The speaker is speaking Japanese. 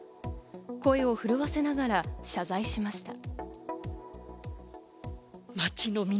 声を震わせながら謝罪しました。